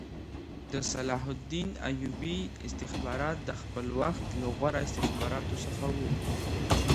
د صلاح الدین ایوبي استخبارات د خپل وخت له غوره استخباراتو څخه وو